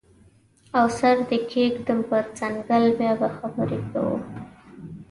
او سر دې کیږدم په څنګل بیا به خبرې کوو